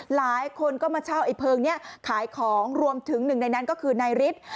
หลายคนก็มาเช่าไอ้เพลิงนี้ขายของรวมถึงหนึ่งในนั้นก็คือนายฤทธิ์